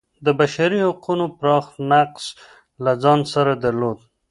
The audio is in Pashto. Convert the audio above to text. د بشري حقونو پراخ نقض له ځان سره درلود.